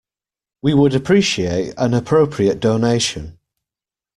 We would appreciate an appropriate donation